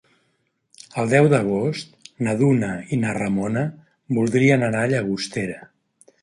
El deu d'agost na Duna i na Ramona voldrien anar a Llagostera.